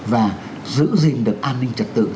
và giữ gìn được an ninh trật tự